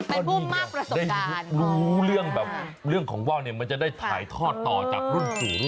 เป็นพูดมากประสงค์การเด็กดูรู้เรื่องเรื่องของว้าวเนี่ยมันจะได้ถ่ายทอดต่อจากรุ่น